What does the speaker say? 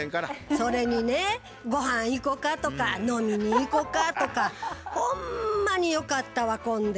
それにね「御飯行こか」とか「飲みに行こか」とかほんまによかったわ来んで。